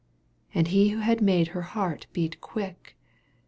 And he had made her heart beat quick